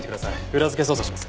裏付け捜査します。